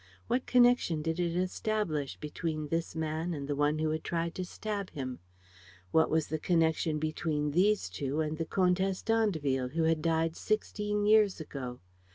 What connection did it establish between this man and the one who had tried to stab him? What was the connection between these two and the Comtesse d'Andeville, who had died sixteen years ago?